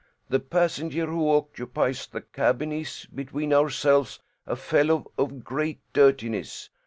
The passenger who occupies the cabin is, between ourselves, a fellow of great dirtiness.